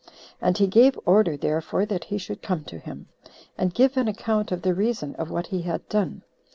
And he gave order, therefore, that he should come to him, and give an account of the reason of what he had done.